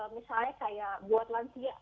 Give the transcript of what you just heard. misalnya kayak buat lansia